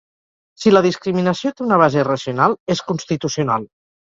Si la discriminació té una base racional, és constitucional.